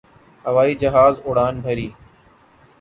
ہوائی جہاز نے اڑان بھری